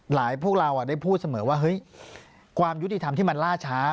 พวกเราได้พูดเสมอว่าเฮ้ยความยุติธรรมที่มันล่าช้า